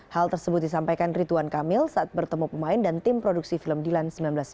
hal tersebut disampaikan rituan kamil saat bertemu pemain dan tim produksi film dilan seribu sembilan ratus sembilan puluh